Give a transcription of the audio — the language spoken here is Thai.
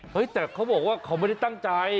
แต่เขาบอกว่าเขาไม่ได้ตั้งใจ